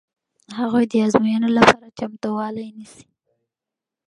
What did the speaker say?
هغوی د ازموینې لپاره چمتووالی نیسي.